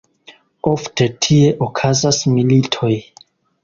Ofte tie okazas militoj.